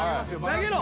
投げろ。